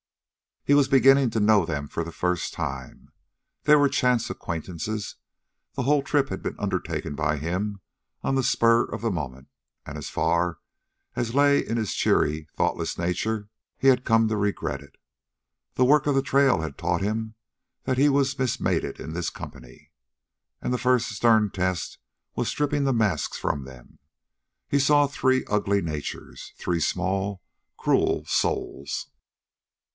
He was beginning to know them for the first time. They were chance acquaintances. The whole trip had been undertaken by him on the spur of the moment; and, as far as lay in his cheery, thoughtless nature, he had come to regret it. The work of the trail had taught him that he was mismated in this company, and the first stern test was stripping the masks from them. He saw three ugly natures, three small, cruel souls.